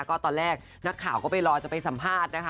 ก็ตอนแรกนักข่าวก็ไปรอจะไปสัมภาษณ์นะคะ